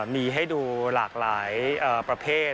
มีให้ดูหลากหลายประเภท